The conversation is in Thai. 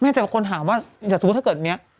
ไม่ใช่คนหาว่าอย่าสมมุติถ้าเกิดเนี้ย